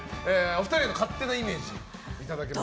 お二人の勝手なイメージいただけますか。